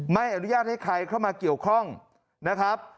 ไม่อนุญาตให้ใครเข้ามาเกี่ยวข้องนะครับ